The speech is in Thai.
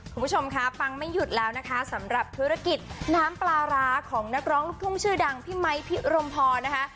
คุณผู้ชมคะฟังไม่หยุดแล้วนะคะสำหรับธุรกิจน้ำปลาร้าของนักร้องลูกทุ่งชื่อดังพี่ไมค์พิรมพรนะคะ